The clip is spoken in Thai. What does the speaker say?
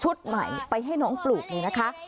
ใหม่ไปให้น้องปลูกนี่นะคะ